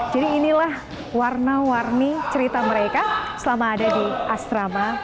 jadi inilah warna warni cerita mereka selama ada di asrama